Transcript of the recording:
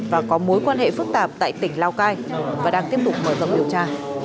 và có mối quan hệ phức tạp tại tỉnh lào cai và đang tiếp tục mở rộng điều tra